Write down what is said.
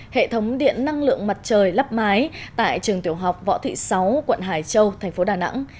hệ thống điện năng lượng mặt trời lắp mái tại trường tiểu học võ thị sáu quận hải châu thành phố đà nẵng